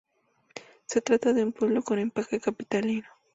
Se trata de un pueblo con empaque capitalino.